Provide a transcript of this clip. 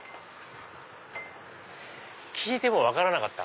聞いても分からなかった。